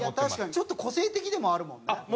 ちょっと個性的でもあるもんね。